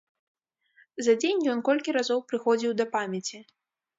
За дзень ён колькі разоў прыходзіў да памяці.